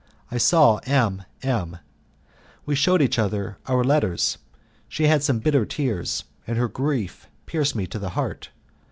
I saw M M ; we shewed each other our letters, she had some bitter tears, and her grief pierced me to the heart.